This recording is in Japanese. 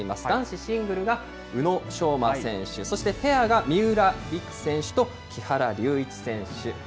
男子シングルは宇野昌磨選手、そしてペアが三浦璃来選手と木原龍一選手。